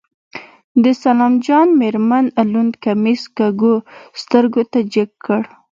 د سلام جان مېرمن لوند کميس کږو سترګو ته جګ کړ.